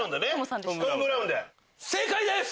正解です！